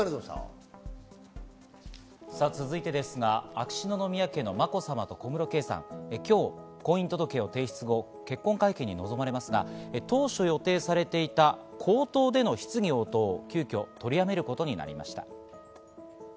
続いて秋篠宮家のまこさまと小室圭さん、今日婚姻届を提出後、結婚会見に臨まれますが、当初予定されていた口頭での質疑応答を急きょ取りやめることになりました。